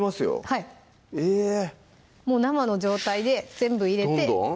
はいもう生の状態で全部入れてどんどん？